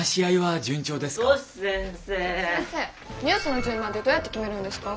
先生ニュースの順番ってどうやって決めるんですか？